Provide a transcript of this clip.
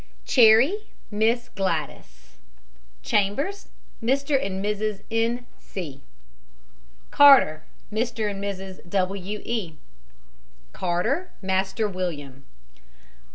CHERRY, MISS GLADYS. CHAMBERS, MR. AND MRS. N. C. CARTER, MR. AND MRS. W. E. CARTER, MASTER WILLIAM.